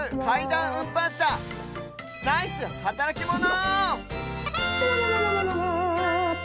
しゃナイスはたらきモノ！